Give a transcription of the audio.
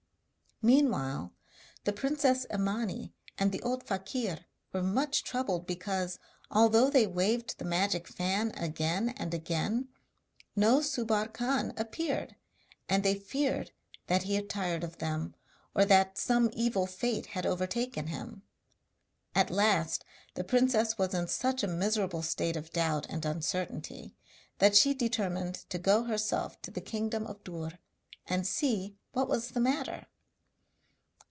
Meanwhile the princess Imani and the old fakir were much troubled because, although they waved the magic fan again and again, no Subbar Khan appeared, and they feared that he had tired of them, or that some evil fate had overtaken him. At last the princess was in such a miserable state of doubt and uncertainty that she determined to go herself to the kingdom of Dûr and see what was the matter.